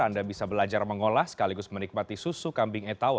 anda bisa belajar mengolah sekaligus menikmati susu kambing etawa